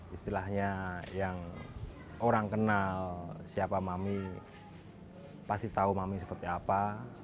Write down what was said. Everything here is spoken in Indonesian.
istilahnya yang orang kenal siapa mami pasti tahu mami seperti apa